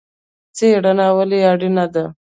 څیړنه ولې اړینه ده؟